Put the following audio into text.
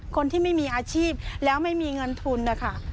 คนที่ไม่มีอาชีพแล้วไม่มีเงินทุนนะคะ